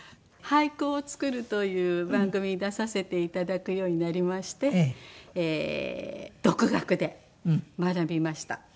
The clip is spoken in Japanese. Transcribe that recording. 俳句を作るという番組に出させていただくようになりまして独学で学びました。